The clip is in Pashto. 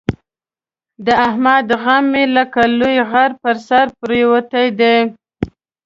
د احمد غم مې لکه لوی غر په سر پرېوتی دی.